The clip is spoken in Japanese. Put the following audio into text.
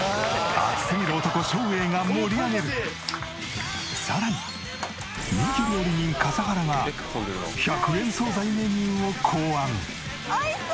熱すぎる男さらに人気料理人笠原が１００円惣菜メニューを考案！